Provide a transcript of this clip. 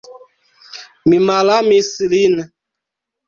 Mi malamis lin.